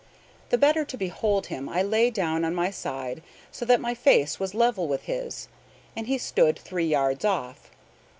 The better to behold him, I lay down on my side, so that my face was level with his, and he stood three yards off.